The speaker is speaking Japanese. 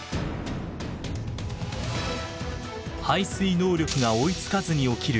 排水能力が追いつかずに起きる